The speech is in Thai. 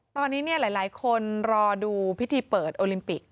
ตอนนี้หลายคนรอดูพิธีเปิดโอลิมปิก